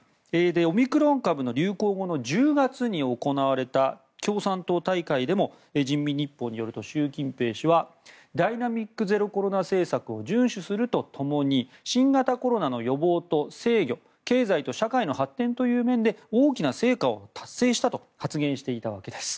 オミクロン株の流行後の１０月に行われた共産党大会でも人民日報によると習近平氏はダイナミックゼロコロナ政策を順守すると共に新型コロナの予防と制御経済と社会の発展という面で大きな成果を達成したと発言していたわけです。